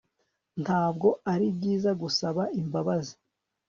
Ntabwo ari byiza Gusaba imbabazi